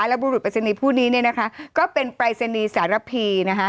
และบุรุษปริศนีย์ผู้นี้เนี่ยนะคะก็เป็นปรายศนีย์สารพีนะคะ